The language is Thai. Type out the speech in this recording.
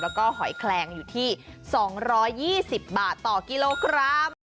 แล้วก็หอยแคลงอยู่ที่๒๒๐บาทต่อกิโลกรัม